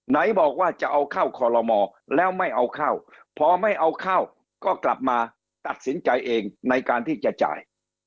ไหนบอกว่าจะเอาเข้าคอลโลมอแล้วไม่เอาเข้าพอไม่เอาเข้าก็กลับมาตัดสินใจเองในการที่จะจ่าย